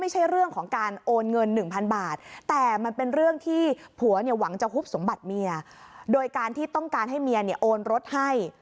หวังจะฮุบสมบัติเมียโดยการที่ต้องการให้เมียโอนรถให้